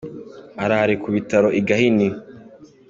Araho ari ku bitaro i Gahini.